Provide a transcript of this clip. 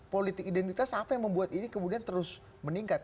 politik identitas apa yang membuat ini kemudian terus meningkat